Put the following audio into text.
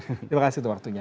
terima kasih untuk waktunya